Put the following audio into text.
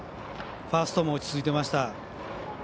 ファーストも落ち着いていました。